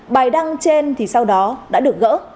bài đăng trên thì sau đó đã được gỡ